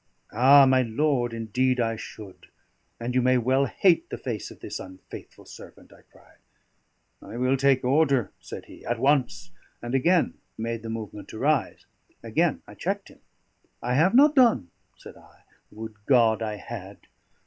"Ah, my lord! indeed I should, and you may well hate the face of this unfaithful servant!" I cried. "I will take order," said he, "at once," and again made the movement to rise. Again I checked him. "I have not done," said I. "Would God I had!